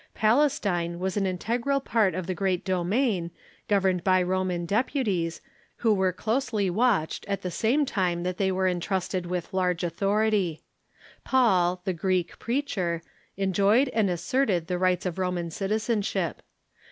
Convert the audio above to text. Palestine was an integral part of the great domain, governed by Ro man deputies, who Avere closely watched at the same time that they Avere intrusted Avith large authority. Paul, the Greek preacher, enjoyed and asserted the rights of Roman citizen ship.